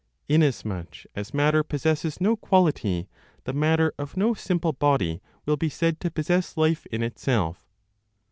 Inasmuch as matter possesses no quality, the matter of no simple body will be said to possess life in itself.